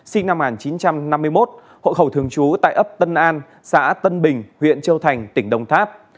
sinh năm một nghìn chín trăm năm mươi một hộ khẩu thường trú tại ấp tân an xã tân bình huyện châu thành tỉnh đồng tháp